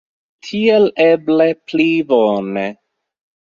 Tiel eble pli bone.